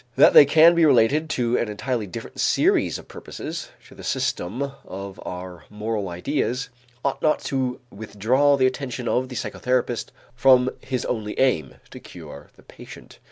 That they can be related to an entirely different series of purposes, to the system of our moral ideas, ought not to withdraw the attention of the psychotherapist from his only aim, to cure the patient.